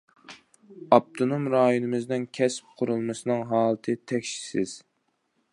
ئاپتونوم رايونىمىزنىڭ كەسىپ قۇرۇلمىسىنىڭ ھالىتى تەكشىسىز.